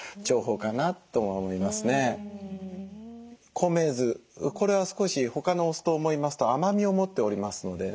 米酢これは少し他のお酢と思いますと甘みを持っておりますのでね